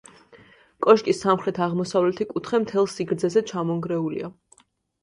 კოშკის სამხრეთ-აღმოსავლეთი კუთხე მთელ სიგრძეზე ჩამონგრეულია.